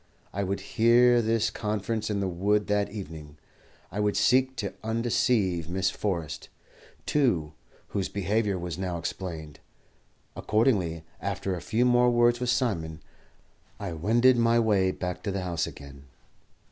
I would hear this conference in the wood that evening. I would seek to undeceive Miss Forrest, too, whose behaviour was now explained. Accordingly, after a few more words with Simon, I wended my way back to the house again.